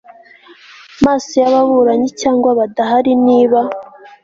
maso y ababuranyi cyangwa badahari niba